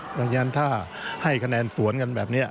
เพราะฉะนั้นถ้าให้คะแนนสวนกันแบบนี้